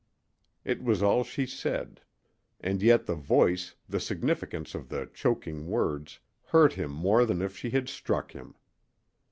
It was all she said, and yet the voice, the significance of the choking words, hurt him more than if she had struck him.